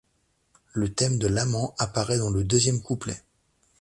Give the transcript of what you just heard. Le thème de l’amant apparait dans le deuxième couplet.